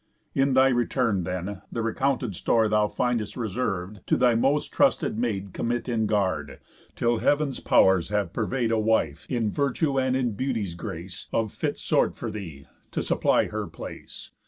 In thy return then, the re counted store Thou find'st reserv'd, to thy most trusted maid Commit in guard, till Heav'n's Pow'rs have purvey'd A wife, in virtue and in beauty's grace, Of fit sort for thee, to supply her place.